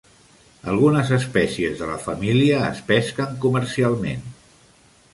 Algunes espècies de la família es pesquen comercialment.